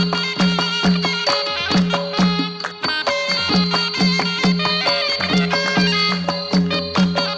โหนี่เจ๋งวะ